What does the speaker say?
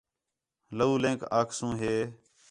لولینک آکھسوں ہِے